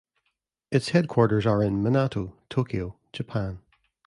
Its headquarters are in Minato, Tokyo, Japan.